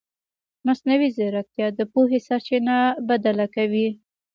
مصنوعي ځیرکتیا د پوهې سرچینه بدله کوي.